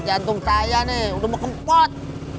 jantung saya nih udah mau kempot